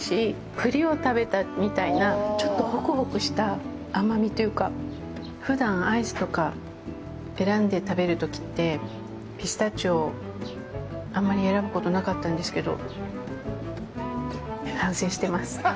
栗を食べたみたいなちょっとほくほくした甘みというかふだんアイスとか選んで食べるときってピスタチオ、あんまり選ぶことなかったんですけど、反省してます。